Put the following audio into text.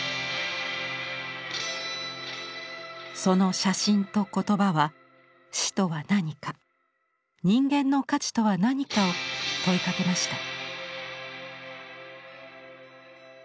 その写真と言葉は死とは何か人間の価値とは何かを問いかけました。